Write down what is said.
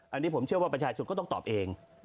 อันนี้ผมเชื่อว่าประชาชนก็ต้องตอบเอง